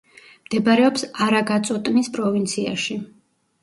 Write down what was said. მდებარეობს არაგაწოტნის პროვინციაში.